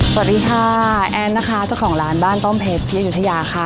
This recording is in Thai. สวัสดีค่ะแอนนะคะเจ้าของร้านบ้านต้อมเพชรที่อายุทยาค่ะ